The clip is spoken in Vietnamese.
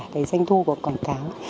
cái doanh thu của quảng cáo